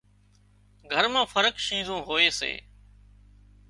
گھر مان فرق شيزون هوئي سي